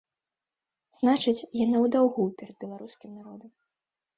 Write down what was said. Значыць, яна ў даўгу перад беларускім народам.